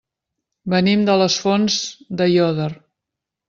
Venim de les Fonts d'Aiòder.